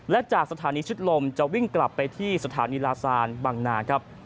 และจากสถานีชุดลมจะวิ่งกลับไปที่สถานีลาซานบังนาครับ